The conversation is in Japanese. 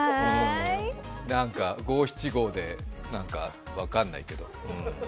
なんか五七五で、なんか分かんないけど。